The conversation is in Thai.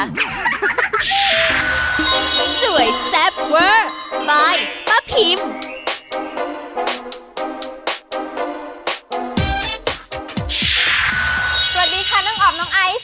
สวัสดีค่ะน้องออมน้องไอซ์